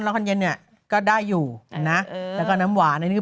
รอนคอนเย็นเนี้ยก็ได้อยู่นะเออแล้วก็น้ำหวานไอ้นี่คือ